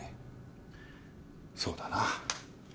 そうだな。